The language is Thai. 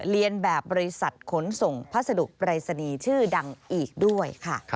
เรียนแบบบริษัทขนส่งพัสดุปรายศนีย์ชื่อดังอีกด้วยค่ะ